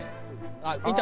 あっいった。